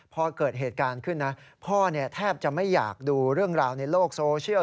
พอเกิดเหตุการณ์ขึ้นนะพ่อแทบจะไม่อยากดูเรื่องราวในโลกโซเชียล